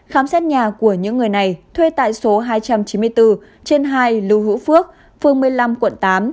khám xét nhà của những người này thuê tại số hai trăm chín mươi bốn trên hai lưu hữu phước phường một mươi năm quận tám